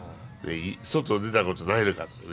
外出たことないのかとかね。